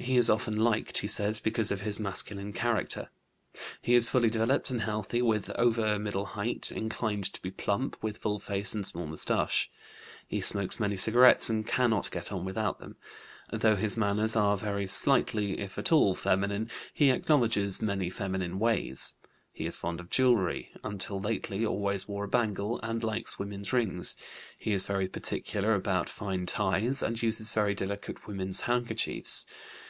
He is often liked, he says, because of his masculine character. He is fully developed and healthy, well over middle height, inclined to be plump, with full face and small moustache. He smokes many cigarettes and cannot get on without them. Though his manners are very slightly if at all feminine, he acknowledges many feminine ways. He is fond of jewelry, until lately always wore a bangle, and likes women's rings; he is very particular about fine ties, and uses very delicate women's handkerchiefs.